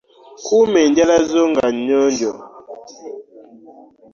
Kuma enjala zo nga nnyonja.